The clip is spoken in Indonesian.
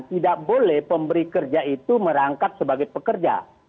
tidak boleh pemberi kerja itu merangkap sebagai pekerja